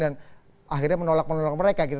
dan akhirnya menolak menolak mereka gitu